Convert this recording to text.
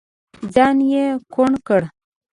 ځان يې کوڼ کړ.